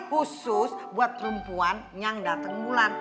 khusus buat perempuan yang datang bulan